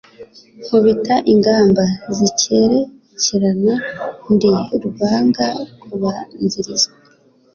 Nkubita ingamba zikerekerana. Ndi rwanga kubanzilizwa